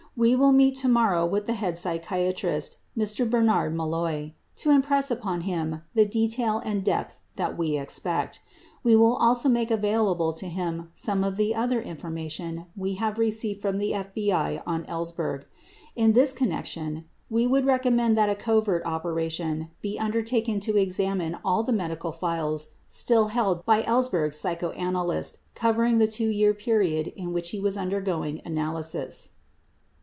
We will meet tomorrow with the head psychiatrist, Mr. Bernard Malloy, to impress upon him the detail and depth that we expect. We will also make available to him some of the other information we have re ceived from the FBI on Ellsberg. In this connection we would recommend that a covert operation be undertaken to exam ine all the medical files still held by Ellsberg's psychoanalyst covering the two year period in which he was undergoing analysis.